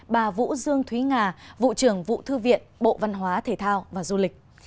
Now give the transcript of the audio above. bà vũ dương thúy ngà vụ trưởng vụ thư viện bộ văn hóa thể thao và du lịch